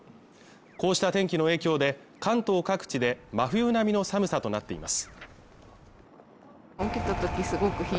こうした天気の影響で関東各地で真冬並みの寒さとなっています